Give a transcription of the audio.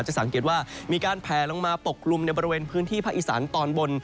จะสังเกตว่ามีการแผลลงมาปกกลุ่มในบริเวณพื้นที่ภาคอีสานตอนบน